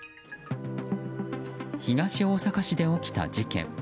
東大阪市で起きた事件。